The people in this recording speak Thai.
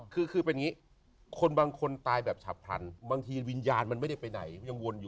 คือคือเป็นอย่างนี้คนบางคนตายแบบฉับพลันบางทีวิญญาณมันไม่ได้ไปไหนยังวนอยู่